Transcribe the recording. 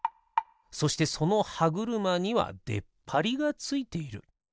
そしてそのはぐるまにはでっぱりがついている。